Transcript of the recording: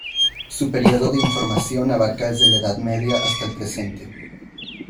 Su período de información abarca desde la Edad Media hasta el presente.